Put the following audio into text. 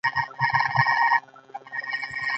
ناسته د قرآن کريم څو مبارکو آیتونو پۀ تلاوت سره پيل شوه.